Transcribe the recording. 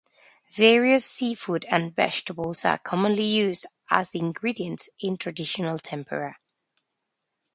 Various seafood and vegetables are commonly used as the ingredients in traditional tempura.